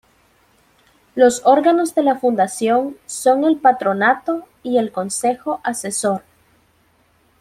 Los órganos de la fundación son el "Patronato" y el "Consejo Asesor".